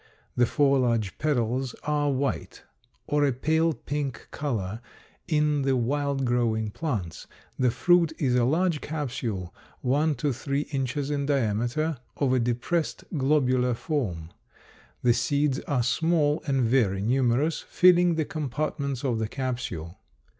The four large petals are white or a pale pink color in the wild growing plants. The fruit is a large capsule, one to three inches in diameter, of a depressed globular form. The seeds are small and very numerous, filling the compartments of the capsule.